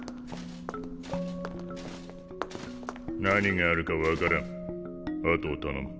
何があるか分からん。